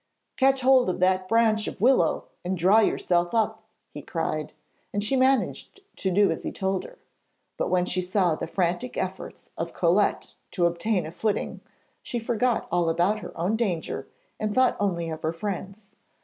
'Catch hold of that branch of willow and draw yourself up,' he cried, and she managed to do as he told her. But when she saw the frantic efforts of Colette to obtain a footing, she forgot all about her own danger and thought only of her friend's.